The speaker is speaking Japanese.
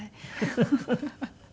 フフフフ。